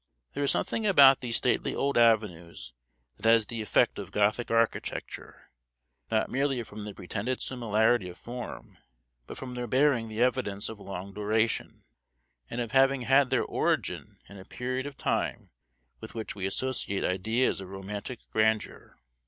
There is something about these stately old avenues that has the effect of Gothic architecture, not merely from the pretended similarity of form, but from their bearing the evidence of long duration, and of having had their origin in a period of time with which we associate ideas of romantic grandeur.